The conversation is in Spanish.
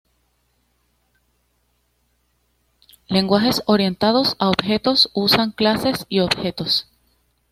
Lenguajes orientados a objetos usan clases y objetos.